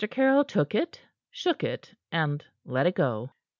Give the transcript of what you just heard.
Caryll took it, shook it, and let it go.